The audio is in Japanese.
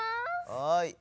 ・はい。